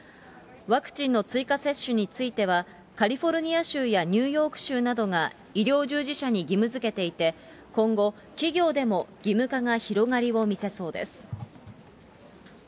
ワクチンの追加接種については、カリフォルニア州やニューヨーク州などが、医療従事者に義務づけていて、今後、企業でも義務化が広がりを見せそうです。